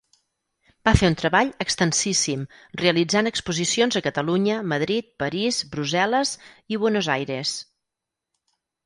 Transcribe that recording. Va fer un treball extensíssim, realitzant exposicions a Catalunya, Madrid, París, Brussel·les i Buenos Aires.